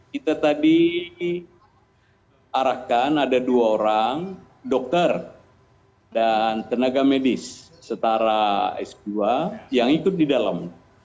kita tadi arahkan ada dua orang dokter dan tenaga medis setara s dua yang ikut di dalam